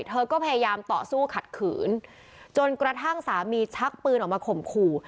เธอก็พยายามต่อสู้ขัดขืนจนกระทั่งสามีชักปืนออกมาข่มขู่